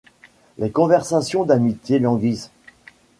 Les conversations d'amitié languissent.